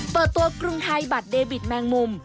เปิดตัวกรุงไทยบัตรเดบิตแมงมุม